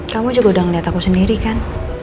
kamu juga udah ngeliat aku sendiri kan